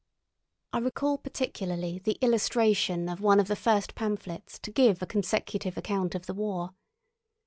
I recall particularly the illustration of one of the first pamphlets to give a consecutive account of the war.